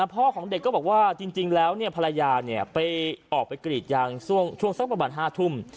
พ่อของเด็กก็บอกว่าจริงแล้วภรรยาไปออกไปกรีดยางช่วงสักประมาณ๕ทุ่ม